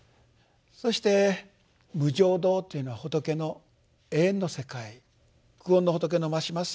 そして「無上道」というのは仏の永遠の世界久遠の仏のまします